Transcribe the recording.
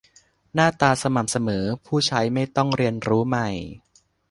- หน้าตาสม่ำเสมอ ผู้ใช้ไม่ต้องเรียนรู้ใหม่